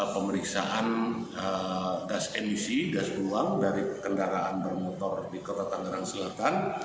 pemeriksaan gas emisi gas peluang dari kendaraan bermotor di kota tangerang selatan